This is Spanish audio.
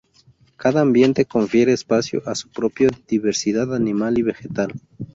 Cada ambiente confiere espacio a su propia diversidad animal y vegetal.